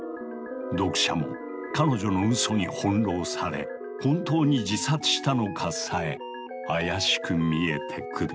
読者も彼女の嘘に翻弄され本当に自殺したのかさえ怪しく見えてくる。